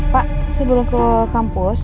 pak sebelum ke kampus